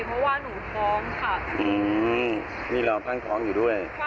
เพราะว่าหนูพร้อมค่ะอืมนี่เราพร้อมพร้อมอยู่ด้วย